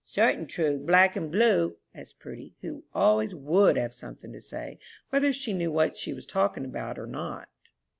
"Certain true, black and blue?" asked Prudy, who always would have something to say, whether she knew what she was talking about or not.